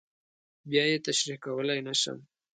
بیا یې تشریح کولی نه شم.